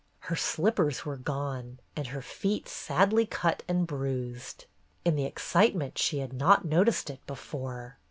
Her slippers were gone, and her feet sadly cut and bruised. In the excitement she had not noticed it before.